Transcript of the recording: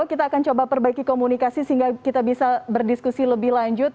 kita akan coba perbaiki komunikasi sehingga kita bisa berdiskusi lebih lanjut